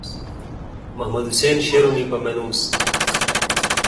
محمد حسین شیرونی پا مانوس۔